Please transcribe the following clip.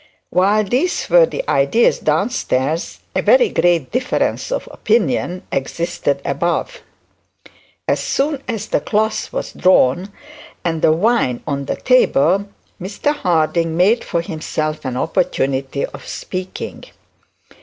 While these were the ideas down stairs, a very great difference of opinion existed above. As soon as the cloth was drawn and the wine on the table, Mr Harding made for himself the opportunity of speaking.